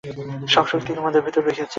সব শক্তি তোমাদের ভিতরে রহিয়াছে।